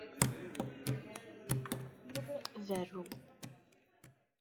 Ur berru.